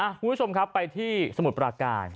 คุณผู้ชมครับไปที่สมุทรปราการ